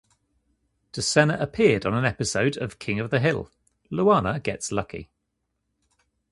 De Sena appeared on an episode of "King of the Hill", "Luanne Gets Lucky.